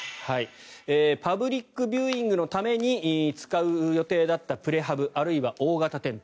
パブリックビューイングのために使う予定だったプレハブあるいは大型テント。